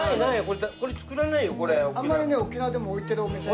あんまりね沖縄でも置いてるお店。